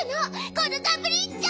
このガブリンチョ！